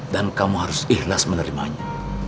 dan kamu harus ikhlas menerimanya